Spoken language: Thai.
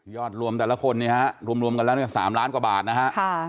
รวมแต่ละคนเนี่ยฮะรวมกันแล้วเนี่ย๓ล้านกว่าบาทนะฮะ